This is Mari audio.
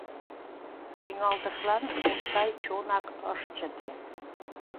Тӱҥалтышлан Мустай чонак ыш чыте.